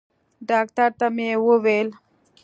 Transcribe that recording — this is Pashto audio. ډاکتر ته مې وويل.